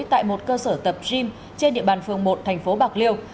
tại một cơ sở tập gym trên địa bàn phường một tp bạc liêu